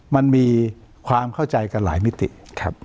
มันมีความเข้าใจกันหลายมิติครับ